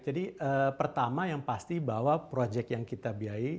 jadi pertama yang pasti bahwa proyek yang kita biayai